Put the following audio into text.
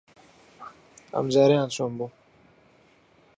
ئەمجارەیان چۆن بوو؟